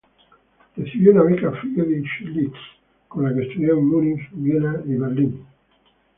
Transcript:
Recibió una beca Friedrich List con la que estudió en Múnich, Viena y Berlín.